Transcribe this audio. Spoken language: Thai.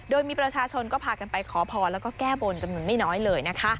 โดยมีประชาชนก็พากันไปขอพอแล้วก็แก้บนไม่น้อยเลย